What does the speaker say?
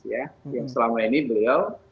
yang selama ini beliau